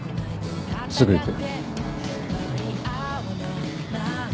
すぐ行く。